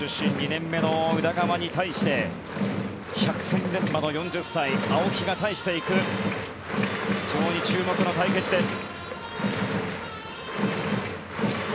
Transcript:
２年目の宇田川に対して百戦錬磨の４０歳青木が対していく非常に注目の対決です。